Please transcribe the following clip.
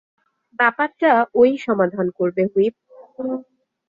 ব্যাপারটা ও-ই সমাধান করবে, হুইপ।